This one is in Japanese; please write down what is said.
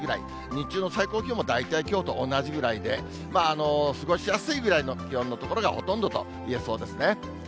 日中の最高気温も大体きょうと同じぐらいで、過ごしやすいぐらいの気温の所がほとんどといえそうですね。